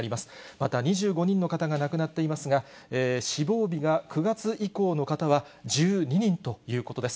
また２５人の方が亡くなっていますが、死亡日が９月以降の方は１２人ということです。